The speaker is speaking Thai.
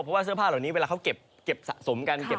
เพราะว่าเสื้อผ้าเหล่านี้เวลาเขาเก็บสะสมกันเก็บ